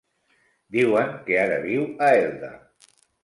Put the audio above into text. Diuen que ara viu a Elda.